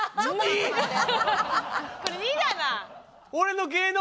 これ２だな！